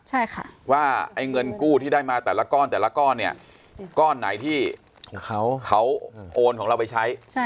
ใช่ค่ะว่าไอ้เงินกู้ที่ได้มาแต่ละก้อนแต่ละก้อนเนี่ยก้อนไหนที่เขาโอนของเราไปใช้